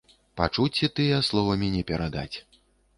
Пачуцці тыя словамі не перадаць.